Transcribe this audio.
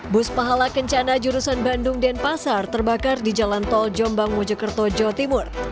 bus pahala kencana jurusan bandung dan pasar terbakar di jalan tol jombang mojokerto jawa timur